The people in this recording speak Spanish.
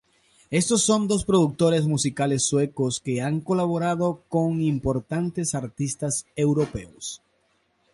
Estos dos, productores musicales suecos que han colaborado con importantes artistas europeos.